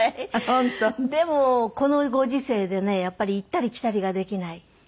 でもこのご時世でねやっぱり行ったり来たりができない。